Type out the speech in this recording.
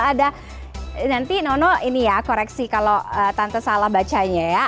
ada nanti nono ini ya koreksi kalau tante salah bacanya ya